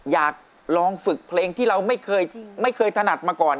อยากลองฝึกเพลงที่เราไม่เคยถนัดมาก่อน